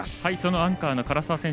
アンカーの唐沢選手